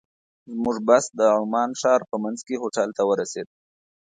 زموږ بس د عمان ښار په منځ کې هوټل ته ورسېد.